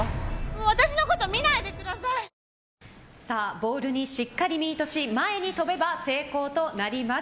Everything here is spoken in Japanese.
ボールにしっかりミートし前に飛べば成功となります。